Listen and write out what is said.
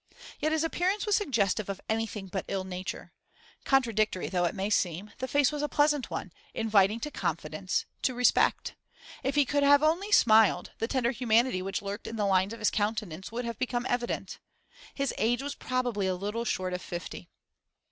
Yet his appearance was suggestive of anything but ill nature; contradictory though it may seem, the face was a pleasant one, inviting to confidence, to respect; if he could only have smiled, the tender humanity which lurked in the lines of his countenance would have become evident. His age was probably a little short of fifty.